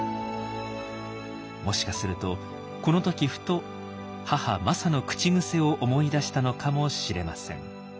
もしかするとこの時ふと母マサの口癖を思い出したのかもしれません。